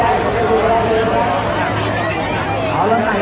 ขอบคุณมากนะคะแล้วก็แถวนี้ยังมีชาติของ